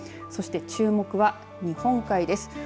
そして、注目は日本海です。